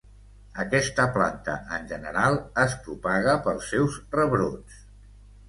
Aquesta planta en general es propaga pels seus rebrots.